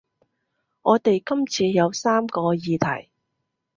我哋今次有三個議題